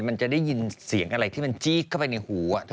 มันจะได้ยินเสียงอะไรที่มันจี้เข้าไปในหู